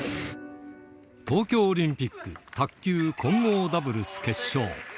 東京オリンピック卓球混合ダブルス決勝。